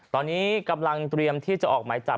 ตอนนี้กำลังเตรียมที่จะออกหมายจับ